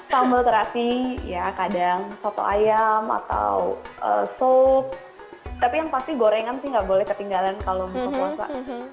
sambal terasi ya kadang soto ayam atau sop tapi yang pasti gorengan sih nggak boleh ketinggalan kalau buka puasa